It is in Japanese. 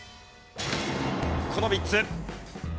この３つ。